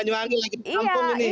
maafin aku di banyuwangi lagi